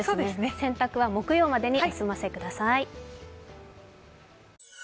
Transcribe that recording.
洗濯は木曜まずに済ませてください。